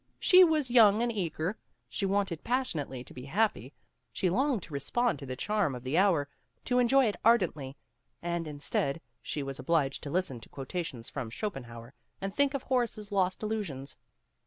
She was young and eager. She wanted passionately to be happy. She longed to respond to the charm of the hour, to enjoy it ardently, and instead she was obliged to listen to quotations from Scho penhauer, and think of Horace's lost illusions.